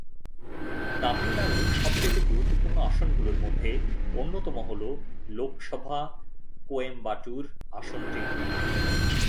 তামিলনাড়ুর সবচেয়ে গুরুত্বপূর্ণ আসনগুলির মধ্যে অন্যতম হল লোকসভা কোয়েম্বাটুর আসনটি।